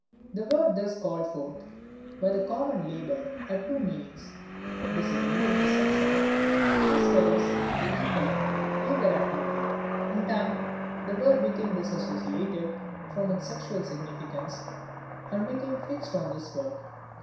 The word thus called forth by the common labor had two meanings, designating the sex act as well as the equivalent labor activity. In time the word became disassociated from its sexual significance and became fixed on this work.